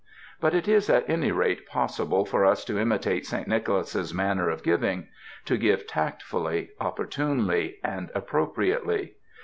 But it is at any rate pos sible for us to imitate Saint Nicholas's manner of giving; to give tactfully, opportunely, and appro priately.